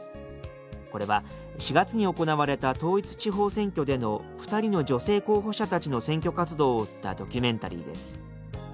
これは４月に行われた統一地方選挙での２人の女性候補者たちの選挙活動を追ったドキュメンタリーです。